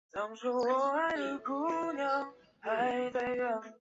中坜神社为台湾日治时期新竹州中坜郡中坜街的神社。